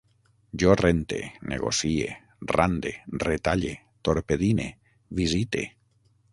Jo rente, negocie, rande, retalle, torpedine, visite